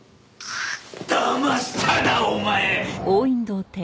だましたなお前！